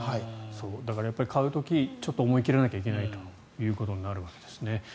だから買う時にちょっと思い切らないといけないということになるわけですね。